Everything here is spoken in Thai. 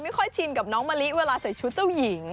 ค่อยชินกับน้องมะลิเวลาใส่ชุดเจ้าหญิง